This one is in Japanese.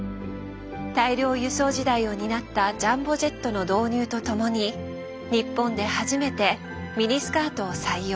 大量輸送時代を担った「ジャンボジェット」の導入とともに日本で初めて「ミニスカート」を採用。